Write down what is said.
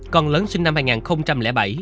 con lớn sinh năm hai nghìn bảy